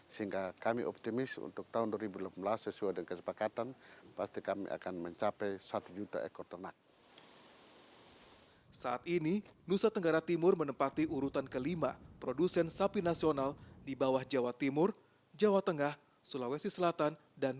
sehingga kami optimis untuk tahun dua ribu delapan belas sesuai dengan kesepakatan